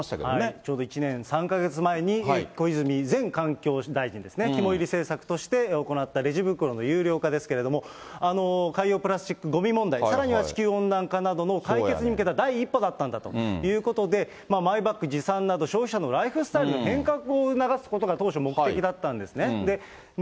ちょうど１年３か月前に小泉前環境大臣です、肝煎り政策として行ったレジ袋の有料化ですけれども、海洋プラスチックごみ問題、さらには地球温暖化などの解決に向けた第一歩だったんだということで、マイバッグ持参など、ライフスタイルの変革を促すことが当初目的だったんですね。